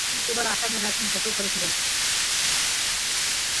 তিনি কেবলমাত্র আসামের রাজধানী দখল করেছিলেন।